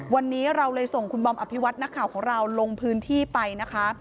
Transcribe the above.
วันนี้เราเลยส่งคุณบอมอภิวัตินักข่าวของเราลงพื้นที่ไปนะคะ